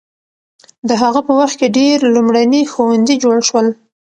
د هغه په وخت کې ډېر لومړني ښوونځي جوړ شول.